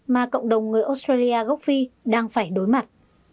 mà cộng đồng người australia gốc phi đang phải đối mặt